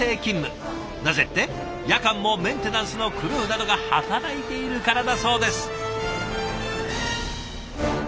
なぜって夜間もメンテナンスのクルーなどが働いているからだそうです。